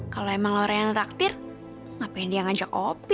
kalau emang laura yang traktir ngapain dia yang ajak opi